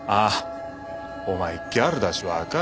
お前ギャルだしわかんねえか。